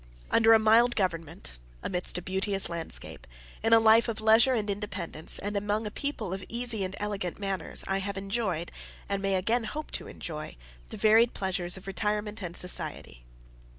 Under a mild government, amidst a beauteous landscape, in a life of leisure and independence, and among a people of easy and elegant manners, I have enjoyed, and may again hope to enjoy, the varied pleasures of retirement and society.